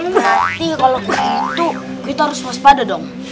berarti kalau gitu kita harus waspada dong